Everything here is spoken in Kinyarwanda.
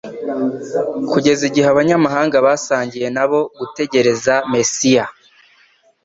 kugeza igihe abanyamahanga basangiye na bo gutegereza Mesiya.